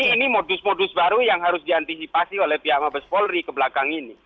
ini modus modus baru yang harus diantisipasi oleh pihak mabes polri kebelakang ini